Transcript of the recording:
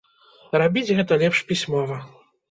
Рабіць гэта лепш пісьмова.